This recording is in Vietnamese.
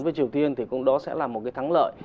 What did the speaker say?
với triều tiên thì cũng đó sẽ là một cái thắng lợi